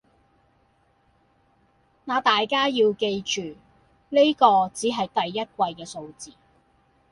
那大家要記住，呢個只係第一季嘅數字